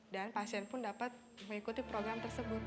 dan pasien pun dapat mengikuti program tersebut